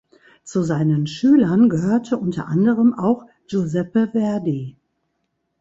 Zu seinen Schülern gehörte unter anderem auch Giuseppe Verdi.